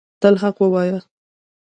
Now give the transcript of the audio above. تل حق وایه